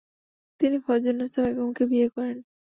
তিনি ফয়জুননেসা বেগমকে বিয়ে করেন।